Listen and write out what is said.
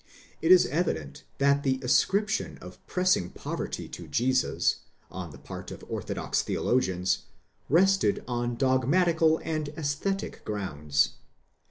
It is evident that the ascription of pressing poverty to Jesus, on the part of orthodox theologians, rested on dogmatical and esthetic grounds.